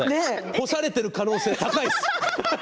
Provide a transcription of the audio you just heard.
干されている可能性が高いです。